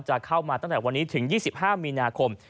จะเข้ามาตั้งแต่วันนี้ถึง๒๕มีนาคม